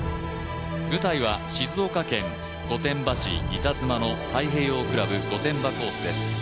舞台は静岡県御殿場市板妻の太平洋クラブ御殿場コースです。